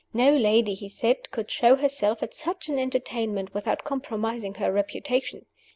No lady, he said, could show herself at such an entertainment without compromising her reputation.